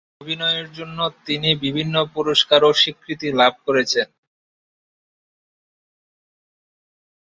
অভিনয়ের জন্য তিনি বিভিন্ন পুরস্কার ও স্বীকৃতি লাভ করেছেন।